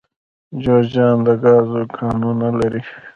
جوزجان د ګازو کانونه لري